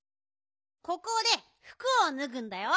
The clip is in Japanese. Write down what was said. ここでふくをぬぐんだよ。